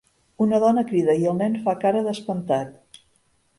Una dona crida i el nen fa cara d'espantat.